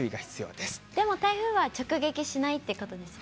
でも台風は直撃しないっていうことですね。